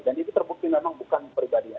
dan itu terbukti memang bukan pribadinya